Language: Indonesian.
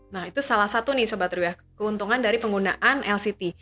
nah itu salah satu nih sebatu ya keuntungan dari penggunaan lct